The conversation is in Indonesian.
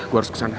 gue harus kesana